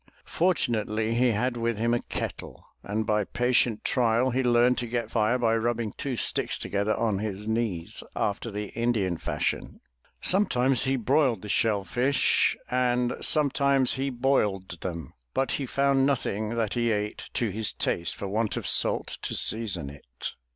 For tunately he had with him a kettle, and by patient trial he learned to get fire by rubbing two sticks together on his knees, after the Indian fashion. Sometimes he broiled the shell fish and some 332 THE TREASURE CHEST times he boiled them, but he found nothing that he ate to his taste for want of salt to season it.